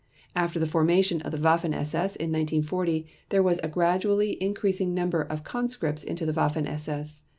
After the formation of the Waffen SS in 1940 there was a gradually increasing number of conscripts into the Waffen SS.